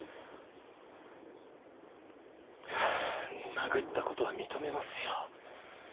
殴ったことは認めますよ。